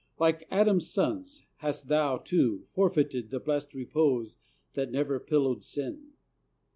Like Adam's sons, hast thou, too, forfeited The blest repose that never pillowed Sin?